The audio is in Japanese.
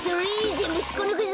ぜんぶひっこぬくぞ。